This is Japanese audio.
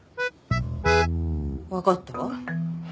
分かったわ。